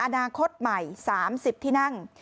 อนาคตใหม่๓๐ที่นั่ง